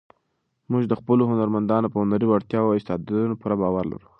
موږ د خپلو هنرمندانو په هنري وړتیاوو او استعدادونو پوره باور لرو.